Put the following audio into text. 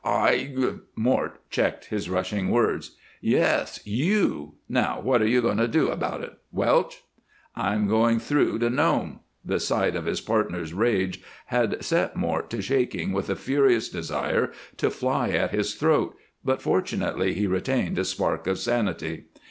"I " Mort checked his rushing words. "Yes, you! Now, what are you going to do about it? Welch?" "I'm going through to Nome." The sight of his partner's rage had set Mort to shaking with a furious desire to fly at his throat, but, fortunately, he retained a spark of sanity.